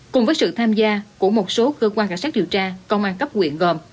cùng với sự tham gia của một số cơ quan cảnh sát điều tra công an cấp quyện gồm